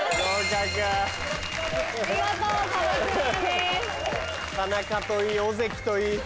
見事壁クリアです。